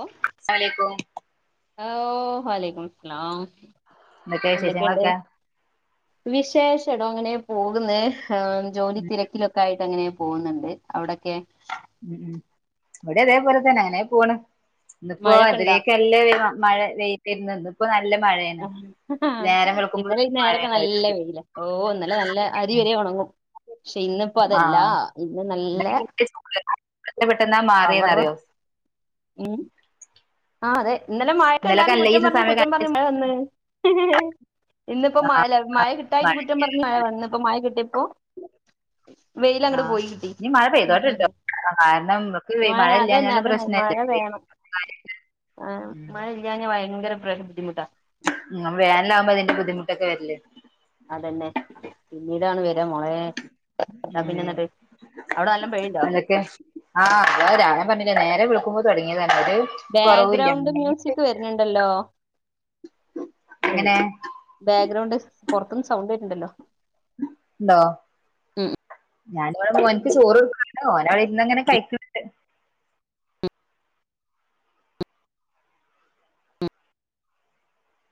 O അസ്സലാമലൈക്കും ഓഹ് വാലൈക്കും ഹലോ എന്തൊക്കെ എന്തൊക്കെയിണ്ട് വിശേഷങ്ങളൊക്കെ വിശേഷം എടോ അങ്ങനെ പോകുന്ന് ജോലി ഉം തിരക്കിലൊക്കെ ആയി ട്ട് അങ്ങനെ പോകുന്നുണ്ട് അവിടൊക്കെ ഉം ഉം ഇവിടെ അതേപോലെ തന്നെ അങ്ങനെ പോണ് ഇന്നിപ്പോ മഴൊക്കെ ഇണ്ടാ അതിലൊക്കെല്ലേ [unintelligible] [inaudible] മഴ [inaudible] ഇപ്പനല്ല ആ ഇന്നലെ ഈ നേരൊക്കെ നല്ല മഴയുണ്ടായിരിക്കും വേയില ഓ ഇന്നലെ നല്ല അരിവരെ ഒ ണങ്ങും പക്ഷെ ഇന്നപ്പോ അതല്ല ആഹ് ഇന്ന് നല്ല ഇന്നലെ ചൂട്. എത്ര പെട്ടെന്നാ പവർ മാറിയെന്നറിയോ ഉം ആ അതെ ഇന്നലെ മഴക്ക് ഇന്നലൊക്കെ എല്ലാരും അല്ല ഈ കുറ്റം പറഞ്ഞ് സമയം കുറ്റം പറഞ്ഞ് മഴ വന്ന് ഇന്നിപ്പോ മഴ ആഹ് ഇല്ല മഴ കിട്ടായിട്ട് കുറ്റം പറഞ്ഞ് മഴ വന്ന് ഇപ്പ മഴ കിട്ടിയപ്പോ വെയില് അങ്ങട് ആഹ് പോയികിട്ടി ഇനി മഴ പെയ്തോട്ടെട്ടോ കാരണം നമുക്ക് ആ മഴ അതന്നെ ഇല്ലാഞ്ഞാലും അതന്നെ മഴ പ്രശ്നല്ലേ വേണം ആ മഴ ഇല്ല്യഞ്ഞ ഭയങ്കര പ്ര ബുദ്ധിമുട്ടാ നിങ്ങ വേനലാകുമ്പോ അതിന്റെ ബുദ്ധിമുട്ടൊക്കെ വരില്ലേ അതന്നെ പിന്നീടാണ് വരാ മോളെ എന്താ പിന്നെ ഉം എന്നിട്ട് അവിടെ നല്ലോം പെയ്യ്ണ്ടോ അതൊക്കെ ആ അതാ രാവിലെ പറഞ്ഞില്ലേ നേരം വേളുക്കുമ്പോ ബാക്ക്ഗ്രൗണ്ട് മ്യൂസിക് വരുന്നുണ്ടല്ലോ റി എങ്ങനെ ബാക്ക്ഗ്രൗണ്ട് പൊറത്തുന്ന് സൗണ്ട് കേക്കുന്നുണ്ടല്ലോ ഉണ്ടോ ഞാനിവിടെ മോന്ക്ക് ചോറ് കൊടുക്കാണ് ഓന് അവിടെ ഇരുന്നങ്ങനെ കഴിക്കണ് ഇണ്ട്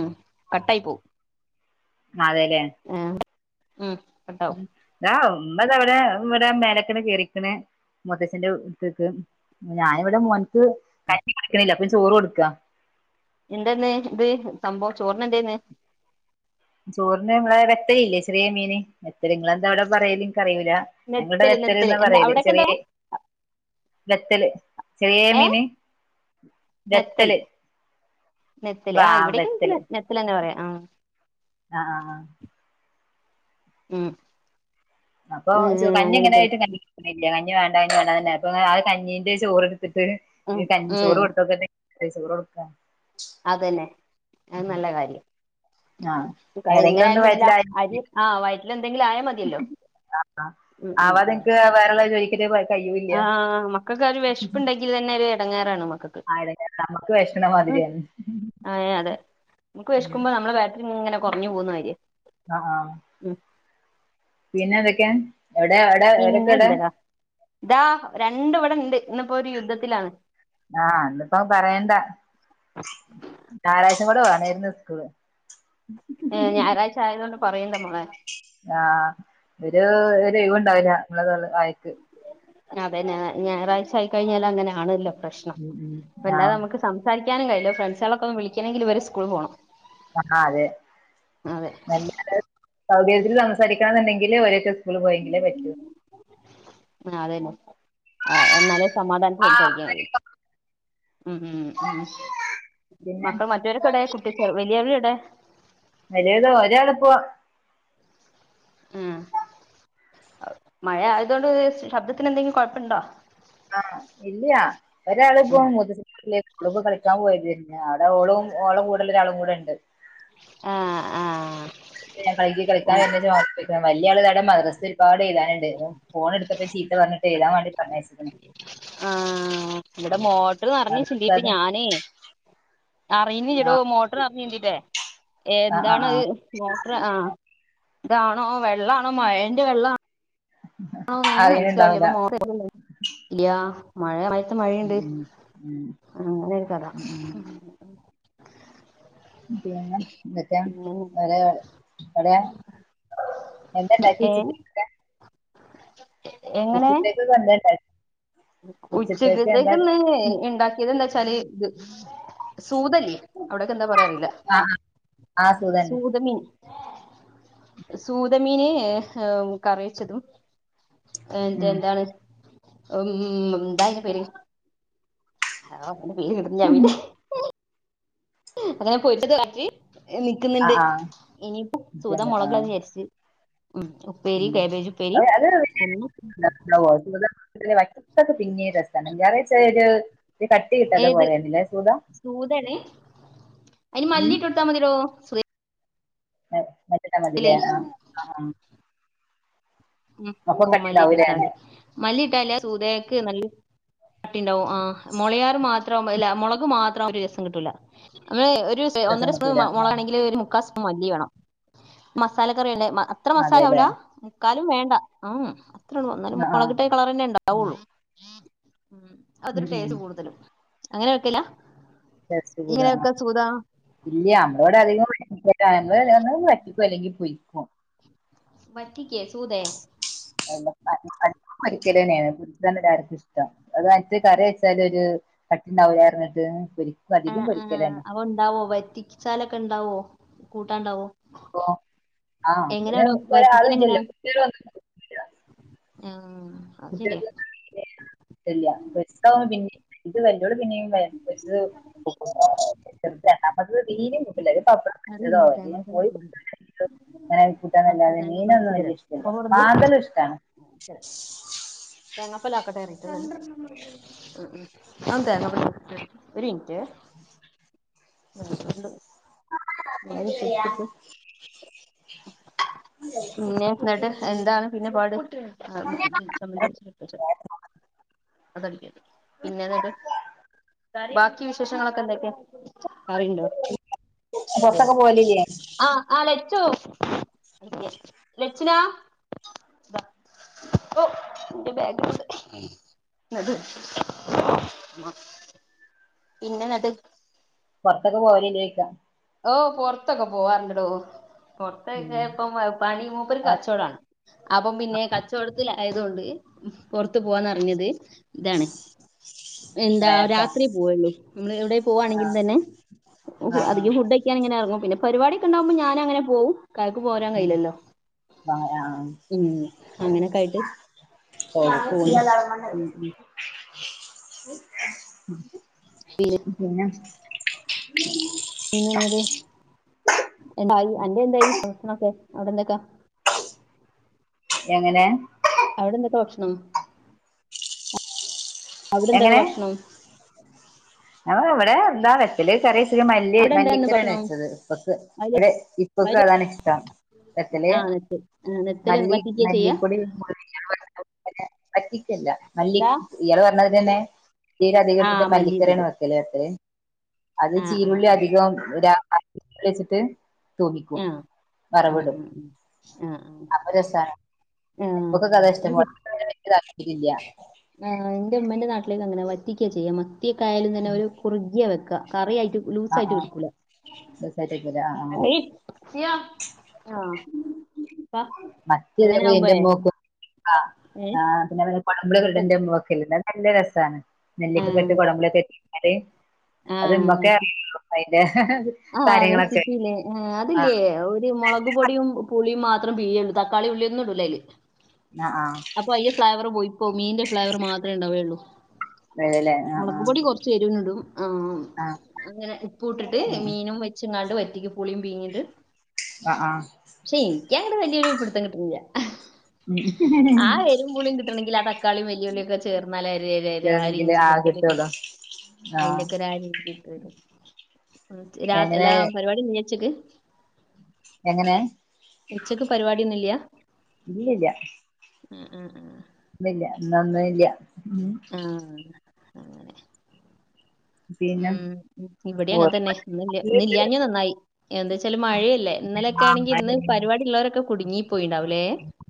ഉം കട്ടായി പൂം അതെലെ ഉം കട്ടാവും ദാ ഉമ്മ ദാ അവിടെ ഇവിടെ മേലക്കന് കേറിക്കണ് മുത്തച്ഛന്റെ ഇടുത്ത്ക്ക് ഞാൻ ഇവിടെ മോൻ ക്ക് കഞ്ഞി കുടിക്കണില്ല [inaudible] ചോറും കോടുക്കാ എന്താ ഇന്ന് ഇത് സംഭവം ചോർന് എന്തേർന്ന് ചോറിന് നമ്മളെ നെത്തല് ഇല്ലേ ചെറിയ മീന് നിങ്ങളെന്താ അവിടെ പറയല് എനിക്ക് അറിയൂല ഞങ്ങള് ഇടെ നെത്തല് നെത്തല് നെത്തല്ന്ന് എന്താ പറയല് അവിടൊക്കെ എന്താ ചെറിയ നെത്തല് ചെറിയേ ഏഹ് മീന് നെത്തൽ നെത്തല് നെത്തല് ആ ഇവിടേക്ക് നെത്തൽ നെത്തല്ന്ന പറയാ ആ ആഹ് ആഹ് ആഹ് ഉം അപ്പോ ഉം കഞ്ഞി അങ്ങനെ തന്നെ എങ്ങനെയായിട്ട് [inaudible] കഞ്ഞി വേണ്ട കഞ്ഞി വേണ്ട തന്നെ അപ്പ ഇങ്ങനെ ആ കഞ്ഞിന്റെ ചോറ് എടുത്തിട്ട് ഉം ക ചോറ് ഉം കൊടുത്ത [inaudible] ചോറ് കൊടുക്കാ അതന്നെ അത് നല്ല കാര്യം ആഹ് ഏതെങ്കിലും എങ്ങനെയാലും വേണ്ടില്ല അരി ആ വ ആ ആ [inaudible] നിങ്ങക്ക് വേറെല്ലോ ചോദി ആ മക്കക്ക് ഒരു വേഷപ്പുണ്ടെങ്കിൽ തന്നെ ഒരു എടങ്ങാറാണ് നുമ്മ ആയി [inaudible] നമുക്ക് വേഷ്ക്കണമാതിരിയന്ന് ആഹ് അതെ നമുക്ക് വേശ്ക്കുമ്പോ നമ്മളെ ബാറ്ററി ഇങ്ങനെ കുറഞ്ഞു പോവുന്നമാര്യ ആഹ് ആഹ് പിന്നെ എന്തൊക്കെയാ പിന്നെ എന്തടാ ദാ രണ്ടും ഇവിടെ ഇണ്ട് ഇന്ന്പ്പോ ഒരു യുദ്ധത്തിലാണ് ആ ഇന്നിപ്പ പറയണ്ട ഞായറാഴ്ച ഇന്ന് കൂടെ വേണരുന്നു സ്കൂള് ഏ ഞായറാഴ്ച ആയതൊണ്ട് പറയണ്ടാ മോളെ ആഹ് ഒരു ഒഴിവ്ണ്ടാവില്ല നമ്മടെ തൊ വായക്ക് അതെ ഞായറാഴ് ആയിക്കഴിഞ്ഞാല് അങ്ങനെ ആണല്ലോ പ്രശ്നം ഉം ഉം അല്ലാതെ ആഹ് നമക്ക് സംസാരിക്ക ക്കാനും കഴില്ല ഫ്രണ്ട്സുകളൊക്കെ ഒന്ന് വിളിക്കണെങ്കില് ഇവര് സ്കൂളി പോണം ആഹ് അതെ അതെ നല്ല സൗകര്യത്തില് സംസാരിക്കണന്നുണ്ടെങ്കില് ഓരോറ്റ സ്കൂള് പോയെങ്കിലേ പറ്റൂ ആ അതന്നെ ആന്നാലേ സമാധാനത്തി സംസാരിക്കാൻ കഴിയൂ ഉം ഉം ഉം പിന്നെ മക്കൾ മറ്റവരൊക്കേ എവിടെ കുട്ടി വലിയവര് എവിടെ വലിയത് ഒരാള് ഇപ്പോ ഉം മഴ ആയതൊണ്ട് ശബ്ദത്തിന് എന്തെങ്കിലും കൊഴപ്പണ്ടോ ആഹ് ഇല്യ ഒരാള് ഇപ്പം മുത്തച്ഛന്റെ വീട്ടിലെക്ക്‌ ഓള്പ്പോ കളിക്കാൻ പോയതാര്ന്നെ അവ്ടെ ഓളും ഓളെ കൂടെല്ല ഒരാളും കൂടെ ഇണ്ട് ആഹ് ആഹ് വൈകി കളിക്കാൻ ആര്ന്ന് ജോപ്പ് വല്യ ആള് താവിടെ മദ്രസ് ഒരുപാട് എഴുതാന്ണ്ടാര്ന്നു ഫോൺ എടുത്തപ്പോ ചീത്ത പറന്നിട്ട് എഴുതാൻ വേണ്ടി പറഞ്ഞയച്ച്ക്ക്‌ണ് ആഹ് ഇവിടെ മോട്ട്റ് നറഞ് മദ്രസ ചിന്തിട്ട് അത് ഞാനേ അറിയുന്നില്ലടോ ആ മോട്ടറ് നരഞ് ചീന്തിട്ട് ആ ആ ആ എന്താണ്ത് മോട്ടർ ആ ഇതാണോ വെള്ളാണോ മഴെന്റെ വെള്ള ആണോ ഒന്നും അറിയണുണ്ടാവില്ല മനസ്സിലാവില്ലപ്പോ ഇല്ല മഴ ഉം മഴയൊണ്ട് ഉം അങ്ങനെ ഒരു കഥ ഉം ഉം ഉം. പിന്നെ എന്തൊക്കെ വെറെ എവിടെയാ എന്താണ്ടാക്കി ഏഹ് ചില്ലി ചിക്കൻ ഉച്ചത്തെക്ക്‌ ഇപ്പ എന്താണ്ടാ ഉച്ചക്കത്തേക്ക് ന്ന് ഉണ്ടാക്കിയത് എന്താച്ചാല് ഇത് സൂതഇല്ലെ അവിടെക്കെ എന്താ പറയാ അറില്ല ആ ആ സുഖന്നെ സൂതമീൻ സൂതമീന് കറിവച്ചതും എന്ത ഉം എന്താണ് ഉം ന്തായിന്റെ പേര് ഹാ അയിന്റെ പേര് കിട്ടുന്നില്ല ആ മീന്റെ അങ്ങനെ പോരിച്ചതും ആക്കി ആ നിക്ക്ന്നിണ്ട് ആ ഇനിയിപ്പം സൂത ക്കണ്ട് ആ മൊളക് ഇടാന്ന് വിചാരിച്ച് ഉം ഉം ഉപ്പേരി കാബേജ് ഉപ്പേരി അ അത് ഒന്ന് [unintelligible] ഉണ്ടാവ്വൊ സൂത [unintelligible] പിന്നേം രസാണ് [unintelligible] ച്ചിരി കട്ടി കിട്ടാത്ത ഏത് പോലെയാണ് സൂധ സൂതയാണ് അയിന് മല്ലിട്ട് കൊടുത്താ മതിലൊ സു മല്ലി ഇട്ടാ മതിലെ ആ ആ ഉ അപ്പം ഓ മല്ലിയിട്ട് കട്ടിണ്ടാവൂലേ കൊടുത്താതി മല്ലിയിട്ടലെ സൂതയക്ക് നല്ല കട്ടിണ്ടാവും ആഹ് മൊളയാർ മാത്രം അല്ല മൊളക് മാത്രം ആവുമ്പം ഒര് രസം കിട്ടൂല നമ്മള് ഒരു രസം ഒന്നര സ്പൂൺ കിട്ടൂല ആ മൊളക് ആണെങ്കില് ഒരു ക്കസ് മല്ലി വേണം മസാല കറി ഒണ്ടേ അത്ര മസാല അതെല്ലേ ആവൂല മുക്കാൽ വേണ്ട ഉം അത്ര ഒണ്ടന്നാലും ആ ആ മോളകിട്ട കളർന്നെ ഉം ഉണ്ടാവൊള്ളു ഉം അതൊരു ഉം ടേസ്റ്റ് കൂടുതലും അങ്ങനെ വെക്കലാ ടെസ്റ്റ് കുടുവാ ആ ഇല്ല നമ്മളോട് അധികം [unintelligible] ഇപ്പ അല്ലെങ്കി പൊരിക്കും വറ്റിക്കേ സൂതെ പോരിക്കല് തന്നെ ആണ് എർക്കും ഇഷ്ടം അത് മറ്റ് കറി വെച്ചല് ഒര് കട്ട്ണ്ടാവില്ലാ പറഞ്ഞിട്ട് ആ അധികം ആ പൊരിക്കലന്നെ അവ ഉണ്ടാവോ വരിച്ചാലൊക്കെ ഉണ്ടാവോ കൂട്ടാണ്ടാവോ ഓ ആഹ് അ എങ്ങനെ അവിടെ അതിനനുസരിച്ച് വറ്റിക്കൽ എങ്ങനെയാ ആളില്ലല്ലോ കുട്ടി വന്നിട്ട് [unintelligible] ആ, അത് കുട്ടികൾ ശരിയാ [unintelligible] വല്യ ഓള് പിന്നെ രണ്ടാമത്ത വീും കുപ്പില്ല പപ്പതോ അവന [unintelligible] അനക്ക [unintelligible] അങ്ങനെ കൂട്ടാന്നല്ലാെ മീനൊന്നും വല്യ തരാം അപ്പൊ ഇഷ്ടല്ല പറഞ്ഞത് മാന്തല് ഇഷ്ടാണ് തേങ്ങാപ്പാല് ആക്കട്ടെറിട്ട് ഉം ഉം ആ തേങ്ങാപ്പാ ഒരു മിനിട്ടെ മുളവിട്ടു ഉപ്പിട്ടു പിന്നെ എന്നിട്ട് എന്താണ് പിന്നെ പാട് ന് അതടിക്ക പിന്നെന്നിട്ട് ബാക്കി വിശേഷങ്ങളൊക്കെ എന്തൊക്കെയ കറിയുണ്ടോ പൊറത്തൊക്കെ പോകലില്ലേ? ആ ലച്ചു ലച്ചിനാ ഓ എന്റെ ബാഗ് ല്ണ്ട് പിന്നന്ന ന്നട്ട് പൊറത്തൊക്കെ പോവലല്ലേയിക്കാ ഓ പൊറത്തൊക്കെ പോവാറുണ്ടടോ ഉം പൊറതൊക്കെപ്പം പനി അപ്പ ഒരു കച്ചവടമാണ് അപ്പം പിന്നെ കച്ചവടത്തിൽ ആയതൊണ്ട് പുറത്തു പോവാന്നറിഞ്ഞത് ഇതാണ് എന്താ പ്രയാസം രാത്രി പോവുള്ളൂ നമ്മള് എവിടെ പോവാണെങ്കിലിൽ ആഹ് തന്നെ ആഹ് അധികം ഫുഡ് ഴിക്കാൻ ഇങ്ങനെ ഇറങ്ങും പിന്നെ പരിപാടിയൊക്കെ ഇണ്ടാകുമ്പോ ഞാന് അങ്ങനെ പോവും ക്കായ്ക്ക് പോരാൻ കഴയില്ലല്ലോ ആഹ് ഉം അങ്ങനൊക്കെ ആയിട്ട് ആ പോണു സതണ്ട ഉം. [unintelligible] അ പിന്നെ പിന്നെ അത് എന്റായി അന്റെ എന്തായി ഭക്ഷണൊക്കെ അവിടെ എന്തൊക്ക എങ്ങനെ അവിടെ എന്തൊക്കെ ഭക്ഷണം അവിടെ എന്തൊക്കെ ഭക്ഷണം അ ഇവിടെ എന്താ വെച്ചല് ചെറിയ സ ഒത്തിരി മല്ലി അവിടെ എന്തായിരുന്നു മല്ലിക്കറീണ് ഭക്ഷണം വെച്ചത് ഉപ്പൊക്ക് വയല് അവിടെ ഇപ്പൊക്ക് വയല് അതാണ് ഇഷ്ടം വെത്തല് ആ നെത്ത് ആ, നെത്തല് മല്ലി വറ്റിക്കുക ചെയ്യാ മല്ലിപ്പൊടി [unintelligible] പറ്റിക്കല്ല മല്ലി ദാ ഇയാള് പറഞ്ഞത് ങ്ങനെ പീര ആ അധികട്ടിട്ട് മല്ലി പീരയാണ് ഇതില് വെക്കലത്രേ അത് ആ ആ ആ ചീരുള്ളി അധികം [unintelligible] വെച്ചിട്ട് തൂമ്പിക്കും ആ ഉം, വറവിടും ഉം, ഉം. ആ ആ അപ്പ രസാ ആ, നമുക്ക് കഥ അത് ഇഷ്ടം ശരി. പോലാ പിന്നെ എനിക്ക് താല്പര്യല്ല ആ എന്റെ ഉമ്മേന്റെ നാട്ടിലേക്ക് അങ്ങനെ വറ്റിക്കാ ചെയ്യാ മത്തിയൊക്കായാലും തന്നെ അവരു കുറുകിയാ വെക്കുക ലൂസ് ആയിട്ട് എടുക്കൂല രസായിട്ടായിരിക്കുല്ലേ ആ ആ സിയ, ആ പ്പ മറ്റേ അങ്ങനെ [unintelligible] എന്റെ ആവുമ്പോഴേ മോക്ക് ഏ ആ പിന്നെ കോടംപുളി ഒക്കെ ഇട്ട വെക്കൽ നല്ല രസമാണ് നെല്ലിക്ക ക്കെ ഇട്ട് കുടമ്പളൊക്കെ ഇട്ടുകഴിഞ്ഞാല് ആഹ് അത് ആഹ് കാര്യങ്ങളൊക്കെ റെസിപ്പില്ലേ ആഹ് അതില്ലേ ആഹ് ഒരു മുളക് പൊടിയും പുളിയും മാ മാത്രം പിഴിയണ്‌ തക്കാളീം ഉള്ളിയൊന്നും ഇടൂല്ലതില് ആഹ് ആഹ് അപ്പൊ അയ്യ ഫ്ലേവർ പോയിപ്പോ മീന്റെ ഫ്ലേവർ മാത്രമേ ഇണ്ടാവേയുള്ളൂ അതെല്ലേ ആഹ് ആഹ് മുളക്പൊടി കൊറച്ച് എരുവിന് ഇടും ആഹ് ആഹ് അങ്ങനെ ഉപ്പു ഇട്ടിട്ട് മീനും വെച്ച് ഇങ്ങാണ്ട് പറ്റിക്കും പുളിയും പീഴിഞ്ഞിട്ട് ആഹ് ആഹ് ക്ഷെ എനിക്കങ്ങട്ട് വലിയൊരു പിടുത്തം കിട്ടണില്ലാ ഉം ആ എരുുംപ പുളിയും കിട്ടണെങ്കിൽ ആ തക്കളും വലിയളിയ ഒക്കെ ചേർന്നാൽ അ ആ ഇതാണെങ്കില് ഇഞ്ചി ആഹ് പളത്ത കിട്ടുള്ളൂ ആഹ് അയിന്റെയക്കെ ഒ ഒരുരച കട്ടര രാ എങ്ങനെ എല്ലാ പരിപാടി നച്ചിക്ക് എങ്ങനെയ ഉച്ചക്ക് പരിപാടിയൊന്നില്ലയാ ഇല്ലില്ല ഉ ഉം ഉ ഇന്നല്ലന്നല്ല ആഹ് അങ്ങനെ പിന്നെ ഉം ഇവിടെ അങ്ങനെ തന്നെ ന്ന് ഓല് ല്ലാഞ്ഞെ നന്നായി എന്താച്ചാല് മഴ ല്ലെ. ഇന്നലൊക്കെ ആ ആണെങ്കി മഴ ഇന്ന് പെയ്യും. പരിവാടി ഉള്ളോരൊക്കെ കുടുങ്ങി പോയിണ്ടാവൂല്ലേ.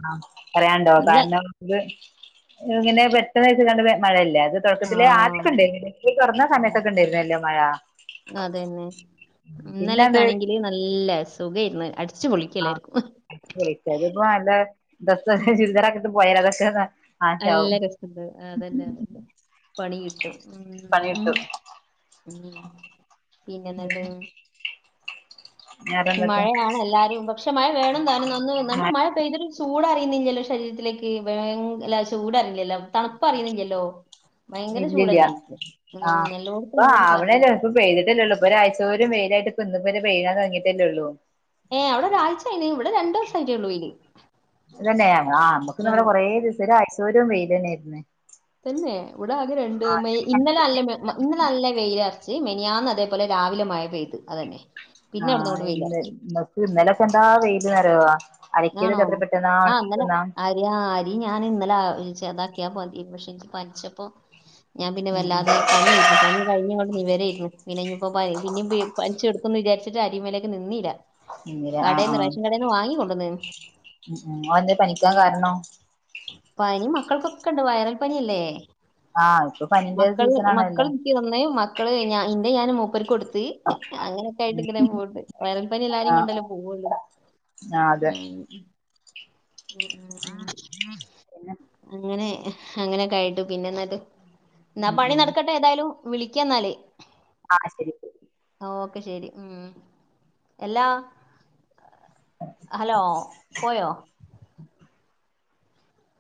ആഹ് പറയാണ്ടോ കാരണം ഇത് ഇങ്ങനെ പെട്ടെന്ന് വെച്ച് കാണ്ട് മഴയല്ലേ. ത് തൊട്ക്കത്തിലേ ആഹ് ആദ്യാക്കെ ഇണ്ടായിനില്ലേ സ്കൂള് തൊർന്ന സമയത്തൊക്കെ ഇണ്ടായിര്ന്നല്ലോ മഴ. പിന്നെ ഇന്നലൊക്കെ അത് ആണെങ്കില് നല്ല സുഖായ്ര്ന്ന് അട് ആഹ്. കുടിര്ക്കൽന് പ്പൊ നല്ല ഡെസും ഉം ചുരിദാറൊക്കെട്ട് പോയാലൊക്കെ ന നല്ല രസണ്ടാവും. ആ അതന്നെ അതെന്ന പണി കിട്ടും. ഉം പണി ഉം കിട്ടും. ഉം പിന്നെന്ന്ട്ട് ഈ വേറെന്തൊക്കെ മഴയാണ് എല്ലാരും പക്ഷെ മഴ വേണം താനും ന്ന ന്ന്ട്ടും മഴ പെയ്ത ചൂടറിയുന്നില്ലല്ലോ ശരീരത്തിലേക്ക് വയ് അല്ല ചൂട അറിയില്ലല്ലോ തണുപ്പറിയുന്നില്ലല്ലോ ഇല്ലില്ല ആഹ് എല്ലായിടത്തും പ്പൊ ഇങ്ങനെ തന്നെ പറഞ്ഞു ആവ്ണല്ലോ ഇപ്പൊ പെയ്തിട്ടല്ലേള്ളൂ. ഇപ്പൊ ഒരാഴ്ച പോരും വെയിലായിട്ട് ഇന്ന്പ്പൊരു പെയ്യാൻ തൊട്ങ്ങീ ട്ടല്ലേള്ളൂ. ഏ അവ്ടെ ഒരാഴ്ച്ചായിണ്. ഇവിടെ രണ്ടൂസം ആയ്ട്ടേള്ളൂ വെയില്. തന്നെ ആ മ്മക്ക് ന്നാ ഉം, കൊറേ ദിവസം ഒരു ആയ്ച്ചോരും വെയിലെന്നെയായ്ര്ന്ന്. തന്നെ ഇവ്ടെ ആകെ രണ്ട് മെയ് ഇന്നലെ നല്ല ഇന്നലെ നല്ല വെയില ച്ച് മെനിയാന്ന് അതേപോലെ രാവിലെ മഴ പെയ്ത് അതന്നെ. പിന്നെ അവിടെ ആഹ് നിന്ന് ഇന്ന് വെയിലറച്ച് നക്ക് ഇന്നലൊക്കെ എന്താ വെയില് ന്നറിയോ. ആണോ ആഹ അന്നനെ ആ [unintelligible] ര് ഞാൻ ഇന്നലെ ചേതാക്കിയാ മതി പക്ഷെ എനിച്ച് പനിച്ചപ്പോ ഞാൻ പിന്നെ ഉം ഉം വല്ലാതെ പനിയായിരുന്നു കഴിഞ്ഞ കൊണ്ട് നീ വരയിരുന്നു പിന്നെ ഇയിപ്പോ പിന്നീ പനിച്ച എടുക്കന്ന് വിചാരിച്ചു വീട്ടില് അരീം വേലയൊക്ക നിന്നില്ല ഇന്നലെ ആഹ് കടെന്ന് ആഹ് റേഷൻ കടെന്ന് നിന്ന് വാങ്ങിക്കൊണ്ടുവന്ന- അതെന്തേ പനിക്കാൻ കാരണം പനി മക്കൾക്കൊക്കെ ഉണ്ട് വൈറൽ പനിയല്ലേ ആഹ് ഇപ്പൊ പനിന്റെ മക്കൾ സീസൺ മക്കൾ ആണല്ലോ എനക്ക് തന്ന- മക്കള് ഇന്റെ ഞാൻ മൂപ്പർക്ക് കൊടുത്ത - അങ്ങനെയൊക്കെ ആയിട്ട് ഉം ഇങ്ങനെ പോയിട്ട് വയറൽപ്പനി എല്ലാരേും ആഹ് കൊണ്ടല്ലോ ആഹ് പോവുള്ളൂ ഉം. [unintelligible] [inaudible] പിന്നെ അങ്ങനെ അങ്ങനെയൊക്കെയായിട്ട് പിന്നെ എന്നിട്ട് എന്നാ ഉം പണി നടക്കട്ടെ ഏതായാലും വിളിക്കാ എന്നാാലേ ആ ശരി ക്കെ ശെരി ഉം എല്ലാ- ഹലോ പോയോ